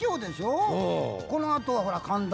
このあとはほら神田。